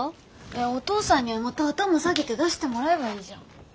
えお父さんにはまた頭下げて出してもらえばいいじゃん。